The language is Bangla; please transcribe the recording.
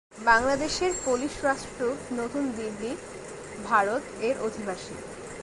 বাংলাদেশের পোলিশ রাষ্ট্রদূত নতুন দিল্লি, ভারত এর অধিবাসী।